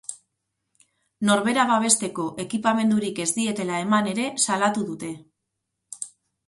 Norbera babesteko ekipamendurik ez dietela eman ere salatu dute.